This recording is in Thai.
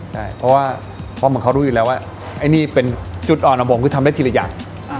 ใช่เพราะว่าเพราะเหมือนเขารู้อยู่แล้วว่าไอ้นี่เป็นจุดอ่อนของผมคือทำได้ทีละอย่าง